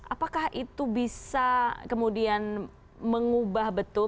apakah itu bisa kemudian mengubah betul